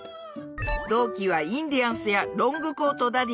同期はインディアンスやロングコートダディ